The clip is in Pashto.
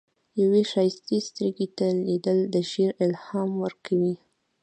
یوې ښایستې سترګې ته لیدل، د شعر الهام ورکوي.